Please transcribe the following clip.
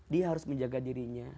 dia harus menjaga dirinya